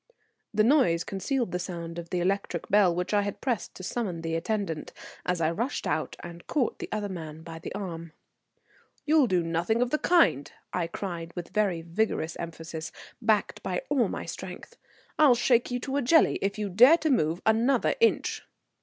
The noise concealed the sound of the electric bell which I had pressed to summon the attendant, as I rushed out and caught the other man by the arm. "You'll do nothing of the kind," I cried with very vigorous emphasis, backed by all my strength. "I'll shake you to a jelly if you dare to move another inch."